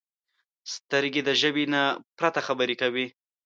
سترګې د ژبې نه پرته خبرې کوي